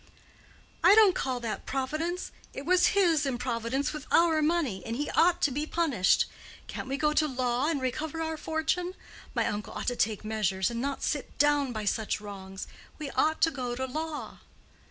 "I don't call that Providence: it was his improvidence with our money, and he ought to be punished. Can't we go to law and recover our fortune? My uncle ought to take measures, and not sit down by such wrongs. We ought to go to law."